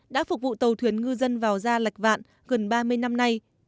đã phục vụ tàu thuyền ngư dân vào ra lạch vạn gần ba mươi năm nay